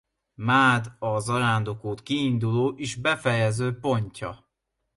Mád a zarándokút kiinduló és befejező pontja.